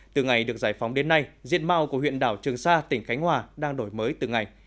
từ ngày được giải phóng đến nay diện mau của huyện đảo trường sa tỉnh khánh hòa đang đổi mới từng ngày